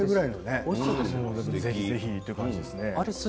ぜひぜひっていう感じです。